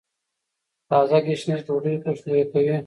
تازه ګشنیز ډوډۍ خوشبويه کوي.